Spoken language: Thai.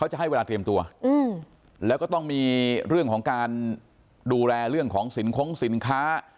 จะให้เวลาเตรียมตัวแล้วก็ต้องมีเรื่องของการดูแลเรื่องของสินคงสินค้า